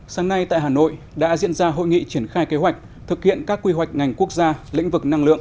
sáng nay tại hà nội đã diễn ra hội nghị triển khai kế hoạch thực hiện các quy hoạch ngành quốc gia lĩnh vực năng lượng